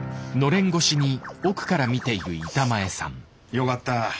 よかった。